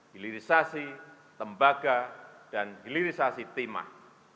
hilirisasi tembaga dan hilirisasi timah